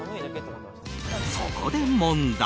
そこで、問題！